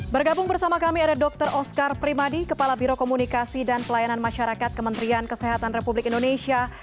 bergabung bersama kami ada dr oskar primadi kepala biro komunikasi dan pelayanan masyarakat kementerian kesehatan republik indonesia